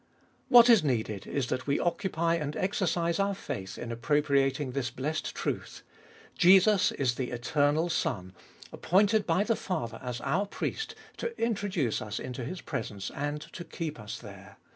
2. What is needed Is that we occupy and exercise our faith In appropriating this blessed truth : Jesus is the eternal Son, appointed by the Father as our Priest to introduce us Into His presence, and to keep us there.